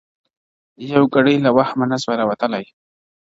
یو ګړی له وهمه نه سوای راوتلای!.